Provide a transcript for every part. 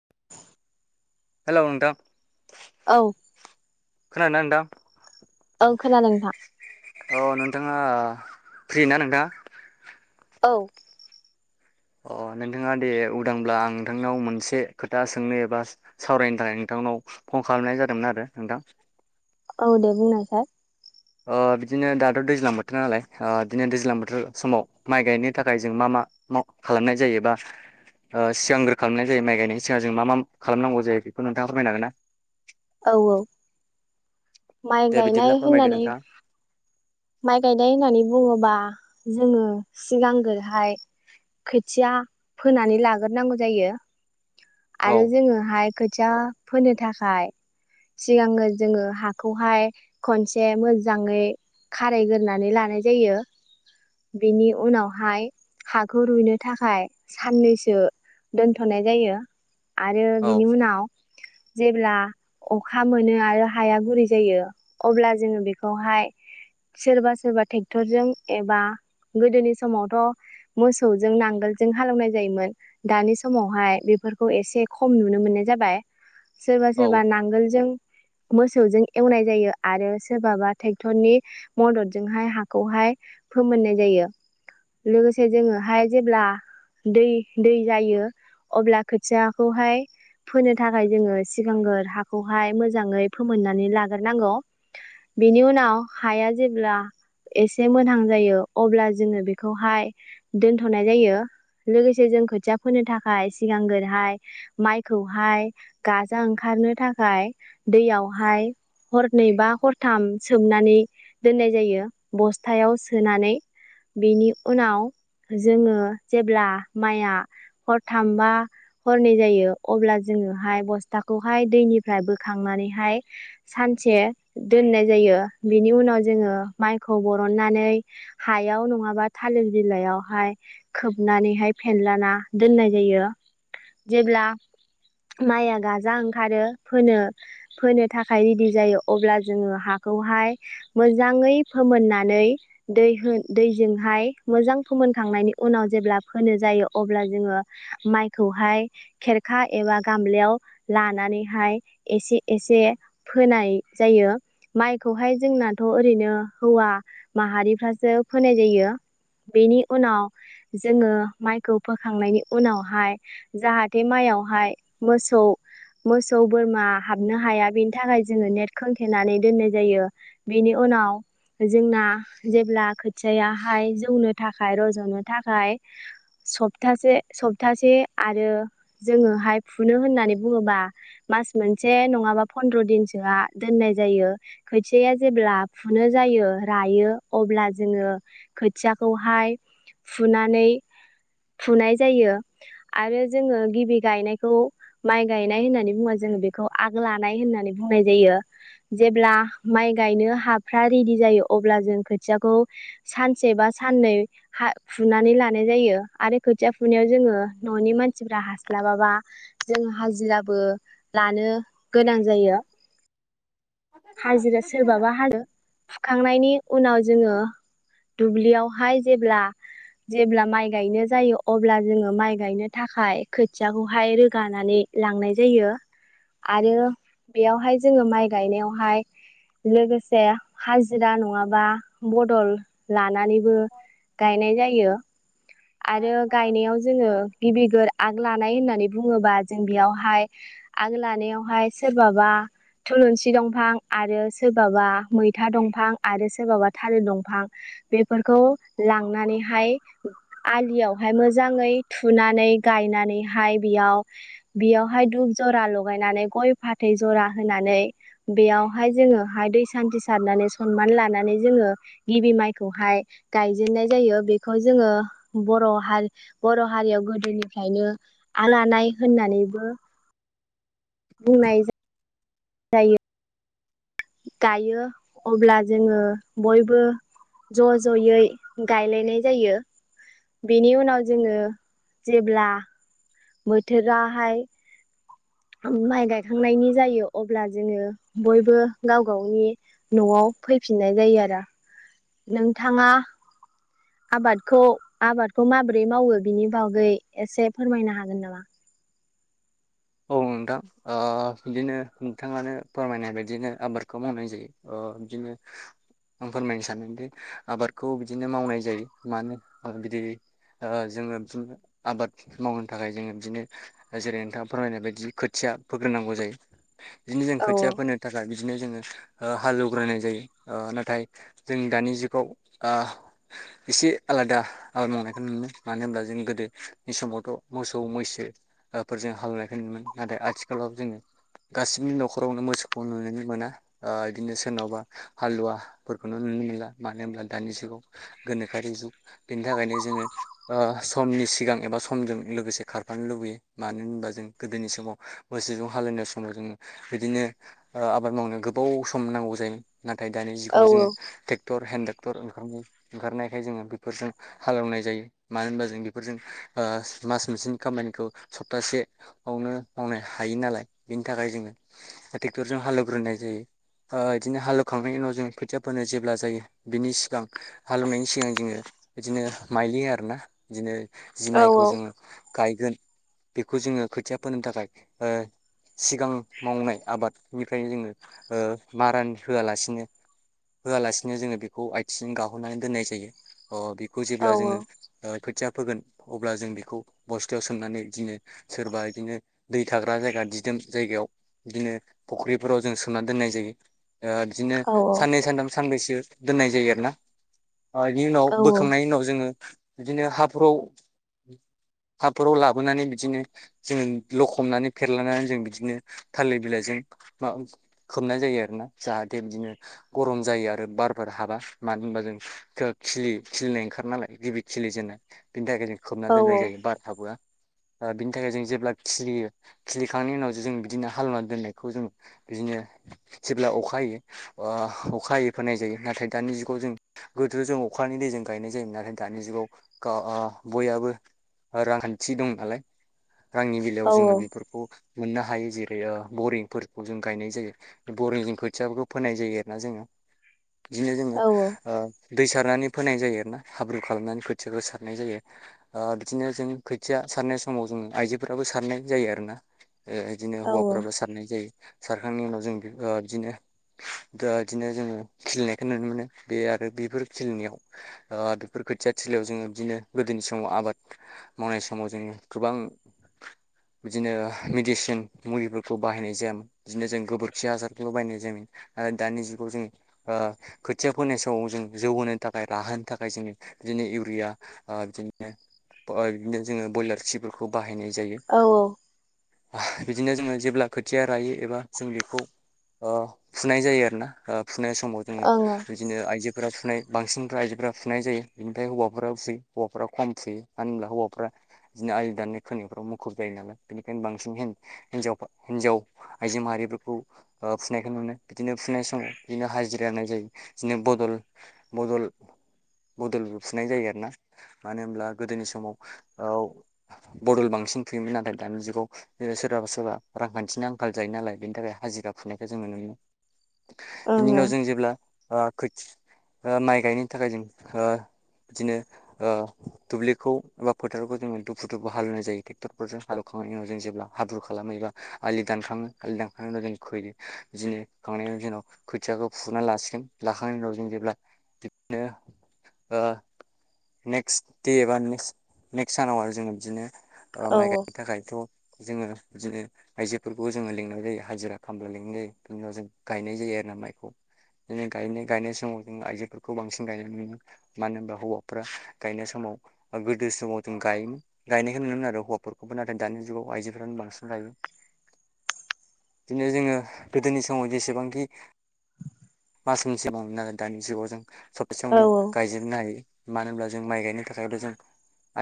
[unintelligible] हेल' नोंथां औ खोनादोंना नोंथां औ खोनादों नोंथां ओङा फ्रि ना नोंथां औ अ नोंथाङा दे उदांब्ला आं नोंथांनाव मोनसे खोथा सोंनो एबा सावरायनो थाखाय नोंथांनाव फन खालामनाय जादोंमोन आरो नोंथां औ दे बुंनाय सार ओ बिदिनो दाथ' दैज्लां बोथोर नालाय ओ बिदिनो दैज्लां बोथोर समाव माइ गायनो थाखाय जों मा मा माव खालामनाय जायो बा ओ सिगांग्रो खालामनाय जायो माइ गायनायनि सिगां जों मा मा खालामनांगौ जायो बेखौ नोंथाङा फोरमायनो हागोन ना औ औ माइ दे बिदिब्ला गायनाय फोरमायदो होननानै नोंथाङा माइ गायनाय होननानै बुङोबा जोङो सिगांगोरहाय खोथिया फोनानै लागोरनांगौ जायो आरो औ जोङो हाय खो खोथिया फोनो थाखाय सिगांनो जोङो हा खौहाय खनसे मोजाङै खारायग्रोनानै लानाय जायो बेनि उनावहाय हाखौ रुइनो थाखाय साननैसो दोनथ'नाय जायो आरो औ बिनि उनाव जेब्ला अखा मोनो आरो हाया गुरै जायो अब्ला जोङो बेखौहाय सोरबा सोरबा ट्रेक्टरजों एबा गोदोनि समावथ' मोसौजों नांगोलजों हालौवनाय जायोमोन दानि समावहाय बेफोरखौ एसे खम नुनो मोननाय जाबाय सोरबा औ सोरबा नांगोलजों मोसौजों एवनाय जायो आरो सोरबाबा ट्रेक्टरनि मददजोंहाय हाखौहाय फोमोननाय जायो लोगोसे जोङोहाय जेब्ला दै दै जायो अब्ला खोथियाखौहाय फोनो थाखाय जोङो सिगांगोर हाखौहाय मोजाङै फोमोननानै लागोन हागारनांगौ बेनि उनाव हाया जेब्ला एसे मोजां जायो अब्ला जोङो बेखौहाय दोनथ'नाय जायो लोगोसे जों खोथिया फोनो थाखाय सिगांगोरहाय माइखौहाय गाजा ओंखारनो थाखाय दैयावहाय हरनै बा हरथाम सोमनानै दोननाय जायो बस्थायाव सोनानै बेनि उनाव जोङो जेब्ला माइआ हरथाम बा हरनै जायो अब्ला जोङोहाय बस्थाखौहाय दैनिफ्राय बोखांनानैहाय सानसे दोननाय जायो बेनि उनाव जोङो माइखौ बरननानै हायाव नङाबा थालिर बिलाइयावहाय खोबनानैहाय फेनलाना दोननाय जायो जेब्ला माइया गाजा ओंखारो फोनो फोनो थाखाय थाखाइ रेडि जायो अब्ला जोङो हाखौहाय मोजाङै फोमोननानै दै दैजोंहाय मोजां फोमोनखांनायनि उनाव जेब्ला फोनो जायो अब्ला जोङो माइखौहाय खेरखा एबा गामलयाव लानानैहाय एसे एसे फोनाय जायो माइखौहाय जोंनाथ' ओरैनो हौवा माहारिफ्रासो फोनाय जायो बेनि उनाव जोङो माइखौ फोखांनायनि उनावहाय जाहाथे माइयावहाय मोसौ मोसौ बोरमा हाबनो हाया बे थाखाय जोङो नेट खोनथेनानै दोननाय जायो बेनि उनाव जोंना जेब्ला खोथियायाहाय जौनो थाखाय रज'नो थाखाय सप्तासे- सप्तासे आरो जोङोहाय फुनो होननानै बुङोबा मास मोनसे नङाबा फन्द्र' दिनसोआ दोननाय जायो खोथियाया जेब्ला फुनो जायो रायो अब्ला जोङो खोथियाखौहाय फुनानै फुनाय जायो आरो जोङो गिबि गायनायखौ माइ गायनाय होननानै बुङा जोङो बेखौ आग्ला होननानै बुंनाय जायो जेब्ला माइ गायनो हाफ्रा रेडि जायो अब्ला जों खोथियाखौ सानसे बा साननै हा फुनानै लानाय जायो आरो खोथिया फुनायाव जोङो न'नि मानसिफ्रा हास्लाबाबा जोंङ हाजिराबो लानो गोनां जायो हाजिरा सोरबाबा हाजो फुखांनायनि उनाव जोङो दुब्लियावहाय जेब्ला जेब्ला माइ गायनो जायो अब्ला जोङो माइ गायनो थाखाय खोथियाखौहाय रोगानानै लांनाय जायो आरो बेयावहाय जोङो माइ गायनायावहाय लोगोसे हाजिरा नङाबा बदल लानानैबो गायनाय जायो आरो गायनायाव जोङो गिबि गोर आग लानाय होननानै बुङोबा जों बेयावहाय आग लानायाव ओमफाय सोरबाबा थुलुंसि दंफां आरो सोरबाबा मैथा दंफां आरो सोरबाबा थालिर दंफां बेफोरखौ लांनानैहाय आलिआवहाय मोजांङै थुनानै गायनानैहाय बियाव बियावहाय दुप ज'रा ल'गायनानै गय फाथै जरा होनानै बेयावहाय जोङोहाय दै सान्थि सारनानै सनमान लानानै जोङो गिबि माइखौहाय गायजेननाय जायो बेखौ जोङो बर' हारि बर' हारियाव गोदोनिफ्रायनो आलानाय होननानैबो बुंनाय जायो जायो गायो अब्ला जोङो बयबो ज' ज'यै गायलायनाय जायो बेनि उनाव जोङो जेब्ला बोथोराहाय माइ गायखांनायनि जायो अब्ला जोङो बयबो गाव गावनि न'आव फैफिननाय जायो आरो। नोंथाङा आबादखौ आबादखौ माबोरै मावो बिनि बागै एसे फोरमायनो हागोन नामा? औ नोंथां ओ बिदिनो नोंथाङानो फोरमायनाय बायदिनो आबादखौ मावनाय जायो ओ बिदिनो आं फोरमायनो सानोदि आबादखौ बिदिनो मावनाय जायो मानो बिदि ओ जोङो बिदिनो आबाद मावनो थाखाय जोङो बिदिनो जेरै नोंथां फोरमायनाय बायदि खोथिया फोग्रोनांगौ जायो। बिदिनो जों औ खोथिया फोनो थाखाय बिदिनो जोङो ओ हालौवग्रोनाय जायो ओ नाथाय जोंनि दानि जुगाव ओ एसे आलादा आबाद मावनायखौ नुनो मोनो मानो होनोब्ला जों गोदो नि समावथ' मोसौ मैसो ओ फोरजों हालेवनाय नुनोमोन नाथाय आथिखालाव जोङो गासिबो नखरावनो मोसौखौ नुनो मोना ओ इदिनो सोरनावबा हालुवा फोरखौनो नुनो मोनला मानो होनब्ला दानि जुगाव गोनोखोआरि जुग बेनि थाखायनो जोङो ओ समनि सिगां एबा समजों लोगोसे खारफानो लुबैयो मानो होनबा जों गोदोनि समाव मोसौजों हालेवनाय समाव जोंङो बिदिनो ओ आबाद मावनो गोबाव सम नांगौ जायो। नाथाय दानि औ जुगाव जोङो ट्रेक्टर हे टर ओंखार ओंखारनायखाय जोङो बेफोरजों हालेवनाय जायो मानो होनबा जों बेफोरजों आ मास मोनसेनि खामानिखौ सप्तासे आवनो मावनो हायो नालाय बेनि थाखाय जोङो ट्रेक्टरजों हालेवग्रोनाय जायो ओ इदिनो हालेवखांनायनि उनाव जों खोथिया फोनो जेब्ला जायो बिनि सिगां हालेवनायनि सिगां जोङो इदिनो माइलि आरो ना इदिनो। जि औ माइखौ जोङो गायगोन बेखौ जोङो खोथिया फोनो थाखाय ओ सिगां मावनाय आबादनिफ्रायनो जोङो ओ मारान होआलासिनो होआलासिनो जोङो बेखौ आथिं गाहुनानै दोननाय जायो अ बि खौ औ जेब्ला जोङो ओ खोथिया फोगोन अब्ला जों बेखौ बस्थायाव सोमनानै दिनो सोरबा। बिदिनो दै थाग्रा जायगा दिदोम जायगायाव दिनो फुख्रिफोराव जों सोमनानै दोननाय जायो। ओ दिनो औ साननै सानथाम सानब्रै यो दोननाय जायो आरोना। अ बिनि उनाव औ बोखांनायनि उनाव जोङो बिदिनो हाब्रुआव हाब्रुआव लाबोनानै बिदिनो जों लखबनानै फेरलानानै जों बिदिनो थालिर बिलाइजों मा खोबनाय जायो आरोना जाहाथे बिदिनो गरम जायो आरो बारफोर हाबा मानो होनबा जों खिलि खिलिनाय ओंखार नालाय गिबि खिलिजेननाय बिनि थाखाय खोबना औ दोननाय जायो बारहाबहोआ। ओ बिनि थाखाय जों जेब ब्ला खिलियो खिलिखांनायनि उनावसो जों बिदिनो हालुना दोननायखौ जों बिदिनो जेब्ला अखा हायो ओ अखा है फोननाय जायो नाथाय दानि जुगाव जों गोदो जों अखानि दैजों गायनाय जायो नाथाय दानि जुगाव गा‌ आ बयाबो रांखान्थि दं नालाय। रांनि बेलायाव जोङो बेफोरखौ। मोननो हायो जेरै ओ बरिंफोरखौ जों गायनाय जायो बरिंजों खोथियाफोरखौ फोनाय जायो आरोना जोङो। बिदिनो जोङो ओ दै सारनानै फोनाय जायो आरोना हाब्रु खालामनानै खोथियाखौ सारनाय जायो ओ बिदिनो जों खोथिया सारनाय समाव जोङो आइजो फोराबो सारनाय जायो आरो ना। इदिनो औ हौवाफ्राबो सारनाय जायो। सारखांनाय उनाव जों ओ इदिनो आ इदिनो जोङो खिलिनायखौ नुनो मोनो बे आरो बेफोर खिलिनायाव ओ बेफोर खोथिया थलियाव जोङो बिदिनो गोदोनि समाव आबाद मावनाय समाव जोङो गोबां। बिदिनो मेडिसिन मुलिफोरखौ बाहायनाय जायामोन बिदिनो जों गोबोरखि हासारखोल बाहायनाय जायोमोन नाथाय दानि जुगाव जोंङो ओ खोथिया फोनाय समाव जों जौ होनोनो थाखाय राहोनो थाखाय जोङो बिदिनो इउरिया ओ बिदिनो ओ बिदिनो जोङो ब्रयलार खिफोर‌खौ खौ बाहायनाय औ औ। बिदिनो जोङो जेब्ला खोथिया रायो एबा जों बेखौ ओ फुनाय जायो आरोना ओ। फुनाय समाव जोङो बिदिनो आइजोफोरा नाय बांसिनफ्रा आइजोफोरा फुनाय जायो बिनिफ्राय हौवाफोरा फुयो हौवाफोरा खम फुयो मानो होनब्ला हौवाफ्रा बिदिनो आ दाननि खोनोफ्राव मुखुब जायो नालाय बिनिखायनो बांसिन हिन-हिनजावफा हिनजाव आइजो माहारिफोरखौ फुनायखौ नुनो बिदिनो फुनाय समाव बिदिनो हाजिरा होननाय जायो बिदिनो बदल बदल बदलबो फुनाय जायो आरोना मानो होनब्ला गोदोनि समाव ओ। बदल बांसिन फुयोमोन नाथाय दानि जुगाव सोरबाबा सोरबा रांखान्थिनि आंखाल जायो नालाय बेनि थाखाय हाजिरगा फुनायखौ जों नुनो मोनो। बिनि उनाव जों जेब्ला। आ खोथि ओ माइ गायनो थाखाय जों ओ बिदिनो ओ दुब्लिखौ बा फोथारखौ जोङो दुब। फुथुखौ हालेवनाय जायो ट्रेक्टरफोरजों हालेवखांनायनि उनाव जों जेब्ला हाब्रु खालामो एबा आलि दानखाङो आलि दानखांनायनि उनाव जों खोयो बिदिनो खोखांनायनि उनाव जोंनाव खोथियाखौ फुनानै लासिगोन लाखांनायनि उनाव जों जेब्ला बिदिनो ओ नेक्स दे एबा ने नेक्स सानाव। जोङो बिदिनो। ओ माइ गायनो थाखायथ' जोङो बिदिनो आइजोफोरखौ जोङो लिंनाय जायो हाजिरा खामला लिंनाय जायो बिनि उनाव जों गायनाय जायो आरो ना माइखौ बिदिनो गायनाय गायनाय समाव जों आइजोफोरखौ बांसिन गायनाय नुयोमोन मानो होनबा हौवाफ्रा गायनाय समाव गोदो समाव जों गायोमोन गायनायखौ नुयोमोन आरो हौवाफोरखौबो नाथाय दानि जुगाव आइजोफ्रानो बांसिन गायो बिदिनो जोङो गोदोनि समाव जेसेबांखि मासनि [unintelligible] आरो दानि जुगाव जों सबतासेयावनो गायजोबनो हायो मानो होनब्ला जों माइ गायनो थाखायबो जों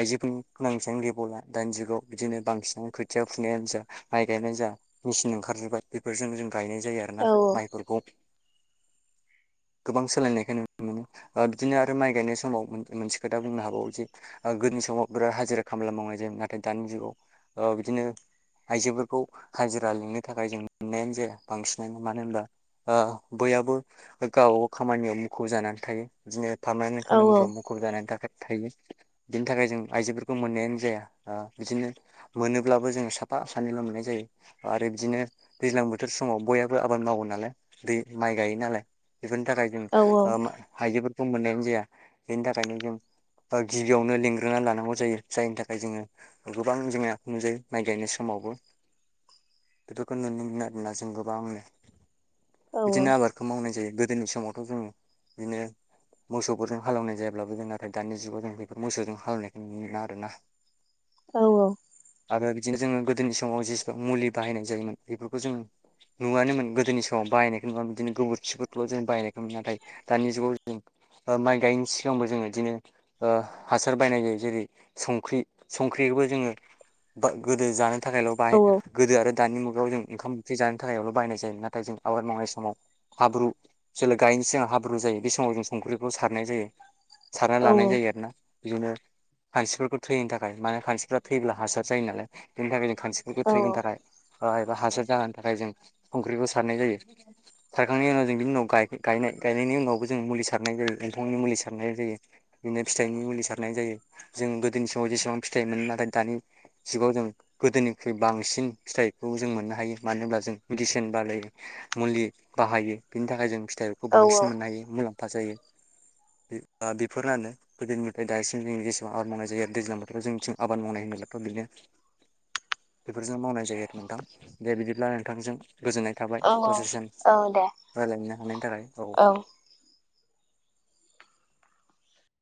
आइजोफोर गोनांथियानो गैबावला दानि जुगाव बिदिनो बांसिनानो खोथिया फुनायानो जा माइ गायनायानो जा मेसिन ओंखार जोबबाय बेफोरजों जों गायनाय जायो आरोना माइफोरखौ गोबां सोलायनायखो नुनो मोनो बिदिनो आरो माइ गायनाय समाव मोन मोनसे खोथा बुंनो हाबावो जे ओ गोदोनि समाव बिराद हाजिरा खामला मावनाय जायोमोन नाथाय दानि जुगाव ओ बिदिनो आइजोफोरखौ हाजिरा लिंनो थाखाय जों मोननायानो जाया बांसिनानो मानो होनबा ओ बयहाबो गाव खामानियाव मुखुब जानानै थायो बिदिनो पारमानेन्ट खामानिफ्राव मुखुब जानायनि थाखाय थायो बिनि थाखाय जों आइजोफोरखौ मोननायानो जाया ओ बिदिनो मोनोब्लाबो जोङो साफा सानैल' मोननाय जायो आरो बिदिनो दैज्लां बोथोर समाव बहाबो आबाद मावो नालाय दै माइ गायो नालाय बेफोरनि थाखाय जों ओ आइजोफोर खौ मोननायानो जाया बेनि थाखायनो जों गिबियावनो लेंंग्रोना लाना नांगौ जायो जायनि थाखाय जोङो गोबां जोंनाया नुजायो माइ गायनाय समावबो बेफोरखौ नुनो आरो ना जों गोबांनो बिदिनो आबादखौ मावनाय जायो गोदोनि समावथ' जों बिदिनो मोसौफोरजों हालेवनाय जायाब्लाबो जों नाथाय दानि जुगाव जों बेफोर मोसौजों हालौनाय उम आरोना औ औ आरो बिदिनो जोङो गोदोनि समाव जेसेबां मुलि बाहायनाय जायोमोन बेफोरखौ जों नुवानोमोन गोदोनि समाव बाहायनायखौ नुवामोन बिदिनो गोबोरखिफोरखौल' जों बाहायनायखौ नुयो नाथाय दानि जुगाव जों ओ माइ गायैनि सिगांबो जोङो बिदिनो ओ हासार बायनाय जायो जेरै संख्रि संख्रिखौबो जोङो गोदो जानो थाखायल' बाहाय गोदो आरो दानि मुगायाव जों ओंखाम ओंख्रि जानो थाखायल' बायनाय जायो नाथाय जों आबाद मावनाय समाव हाब्रु जेला गायनि सिगां हाब्रु जायो बे समाव जों संख्रिखौ सारनाय जायो सारा लानाय जायो आरो ना बिदिनो खानसिफोरखौ थैहोनो थाखाय माने खानसिफ्रा थैब्ला हासार जायो नालाय बेनि थाखाय जों खानसिफोरखौ थैहोनो थाखाय एबा हासार जाहोननि थाखाय जों संख्रिखौ सारनाय जायो सारखांनायनि उनाव जों बिनि उनाव गाय गायनाय गायनायनि उनावबो जों मुलि सारनाय जायो एम्फौनि मुलि सारनाय जायो बिदिनो फिथाइनि मुलि सारनाय जायो जों गोदोनि समाव जेसेबां फिथाइ मोनो नाथाय दानि जुगाव जों गोदोनिख्रुइ बांसिन फिथाइखौ जों मोननो हायो मानो होनब्ला जों मेदिसिन बाहायो मुलि बाहायो बिनि थाखाय जों फिथाइखौ बांसिन मोननो हायो मुलाम जायो बे ओ बेफोरनानो गोदोनिफ्राय दासिम जोंनि [unintelligible] आबाद मावनाय जायो आरो दैज्लां बोथोराव जोंथिं आबाद मावनाय होनोब्लाथ' बिदिनो बेफोरजों मावनाय जायो आरो नोंथां दे बिदिब्ला नोंथांजों गोजोननाय थाबाय दसे सम औ दे रायलायनो हानायनि थाखाय औ।